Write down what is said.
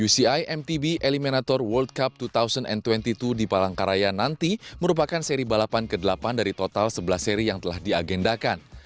uci mtb eliminator world cup dua ribu dua puluh dua di palangkaraya nanti merupakan seri balapan ke delapan dari total sebelas seri yang telah diagendakan